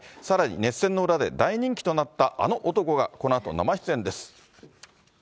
さらに、熱戦の裏で、大人気となったあの男が、このあと生出演です。